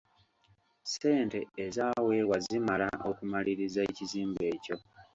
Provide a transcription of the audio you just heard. Ssente ezaweebwayo zimala okumaliriza ekizimbe ekyo.